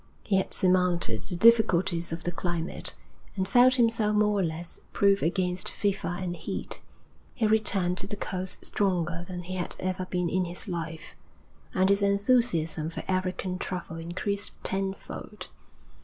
He had surmounted the difficulties of the climate, and felt himself more or less proof against fever and heat. He returned to the coast stronger than he had ever been in his life, and his enthusiasm for African travel increased tenfold.